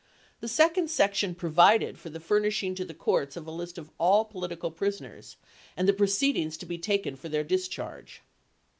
The second section provided for the furnishing to the courts of a list of all political prisoners, and the proceedings to be taken for their discharge.